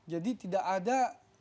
jadi tidak ada